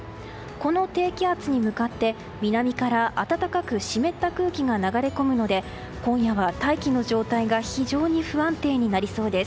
この低気圧に向かって南から暖かく湿った空気が流れ込むので今夜は大気の状態が非常に不安定になりそうです。